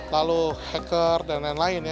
lalu hacker dan lain lain ya